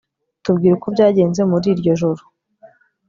Tubwire uko byagenze muri iryo joro